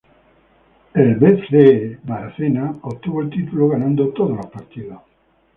Los All Blacks obtuvieron el título ganando todos los partidos.